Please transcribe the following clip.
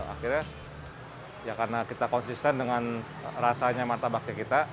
akhirnya ya karena kita konsisten dengan rasanya martabaknya kita